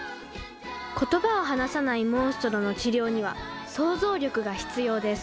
言葉を話さないモンストロの治療には想像力が必要です。